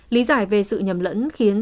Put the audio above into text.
lý giải về sự nhầm lẫn khiến